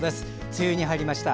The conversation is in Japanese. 梅雨に入りました。